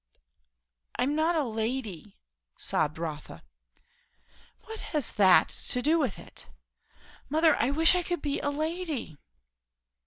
"I'm not a lady" sobbed Rotha. "What has that to do with it?" "Mother, I wish I could be a lady!"